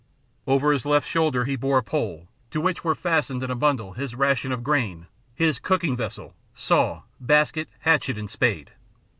Over his left shoulder he bore a pole, to which were fastened in a bundle his ration of grain, his cooking vessel, saw, basket, hatchet, and spade.